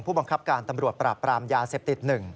บังคับการตำรวจปราบปรามยาเสพติด๑